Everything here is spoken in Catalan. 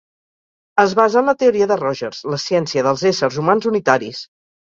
Es basa en la teoria de Rogers, la ciència dels éssers humans unitaris.